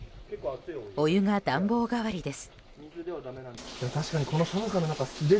お湯が暖房代わりです。